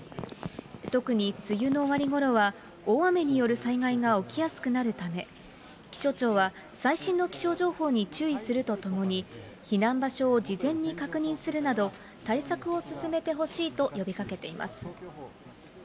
特に梅雨の終わりごろは、大雨による災害が起きやすくなるため、気象庁は最新の気象情報に注意するとともに、避難場所を事前に確認するなど、対策を進めてほしいと呼びかけています。